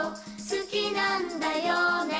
「好きなんだよね？」